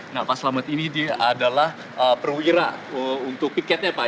nah pak selamet ini dia adalah perwira untuk piketnya pak ya